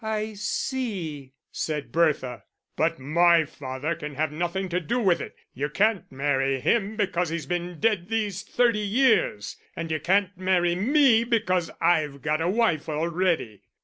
"I see," said Bertha. "But my father can have nothing to do with it; you can't marry him because he's been dead these thirty years, and you can't marry me because I've got a wife already."